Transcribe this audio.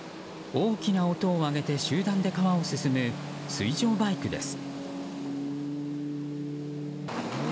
大きな音を上げて集団で川を進む水上バイクです。